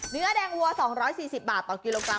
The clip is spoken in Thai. เนื้อแดงวัว๒๔๐บาทต่อกิโลกรั